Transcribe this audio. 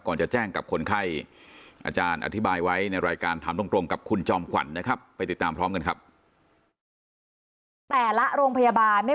ก่อนที่มีชุดจะเข้ามาขายได้